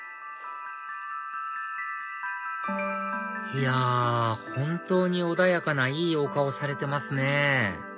いや本当に穏やかないいお顔されてますね